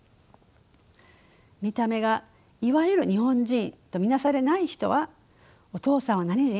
見た目がいわゆる日本人と見なされない人はお父さんは何人？